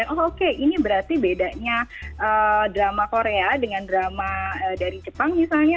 oke ini berarti bedanya drama korea dengan drama dari jepang misalnya